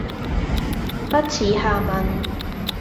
不恥下問